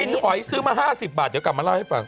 หอยซื้อมา๕๐บาทเดี๋ยวกลับมาเล่าให้ฟัง